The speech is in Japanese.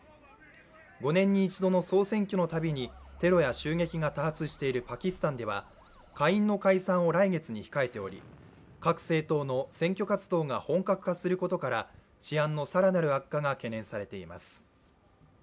５年に一度の総選挙のたびにテロや襲撃が多発しているパキスタンでは下院の解散を来月に控えており、各政党の選挙活動が本格化することから治安の更なる悪化が懸念されています。